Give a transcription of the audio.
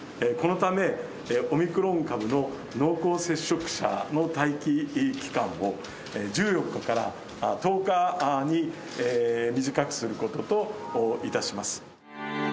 このため、オミクロン株の濃厚接触者の待機期間を、１４日から１０日に短くすることといたします。